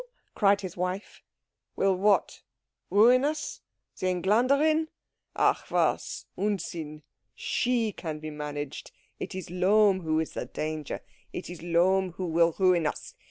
cried his wife. "Will what? Ruin us? The Engländerin? Ach was Unsinn. She can be managed. It is Lohm who is the danger. It is Lohm who will ruin us.